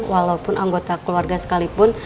walaupun anggota keluarga sekalipun